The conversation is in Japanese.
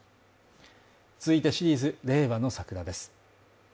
続いてシリーズ「令和のサクラ」です。